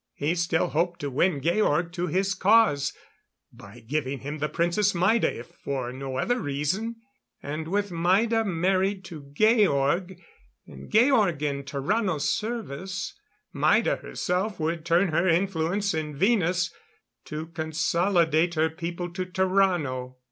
He still hoped to win Georg to his cause, by giving him the Princess Maida, if for no other reason. And with Maida married to Georg and Georg in Tarrano's service Maida herself would turn her influence in Venus to consolidate her people to Tarrano.